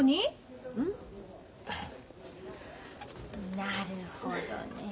なるほどねえ。